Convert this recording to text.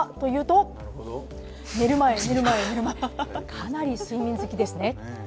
かなり睡眠好きですね。